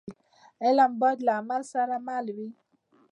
علم باید له عمل سره مل وي.